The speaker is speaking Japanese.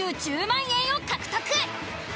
１０万円を獲得！